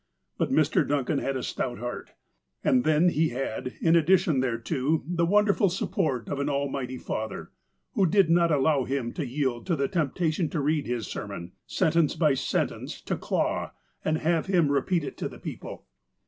But Mr. Duncan had a stout heart, and then he had, in addition thereto, the wonderful support of an Almighty Father, who did not allow him to yield to the temptation to read his sermon, sentence by sentence, to Clah, and have him repeat it to the people.